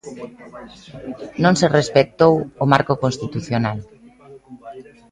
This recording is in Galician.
"Non se respectou o marco constitucional".